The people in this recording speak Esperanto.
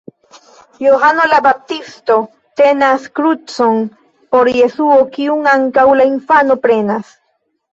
Johano la Baptisto tenas krucon por Jesuo, kiun ankaŭ la infano prenas.